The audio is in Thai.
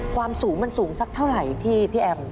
ความสูงมันสูงสักเท่าไหร่พี่แอม